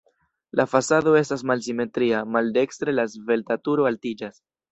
La fasado estas malsimetria, maldekstre la svelta turo altiĝas.